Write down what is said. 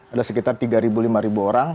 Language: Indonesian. ada sekitar tiga lima orang